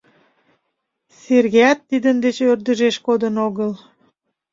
Сергеят тидын деч ӧрдыжеш кодын огыл.